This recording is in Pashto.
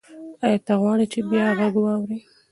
ایا ته غواړې چې بیا غږ واورې؟